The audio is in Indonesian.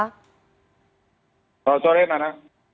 selamat sore nana